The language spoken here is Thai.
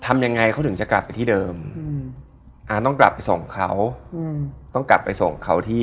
มันอีกคนละอารมณ์กับที่นั่งฟัง